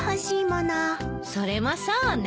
それもそうね。